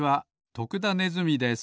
徳田ネズミです。